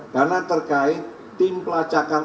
karena terkait tim pelacakan